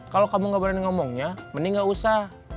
kalau kamu gak berani ngomongnya mending gak usah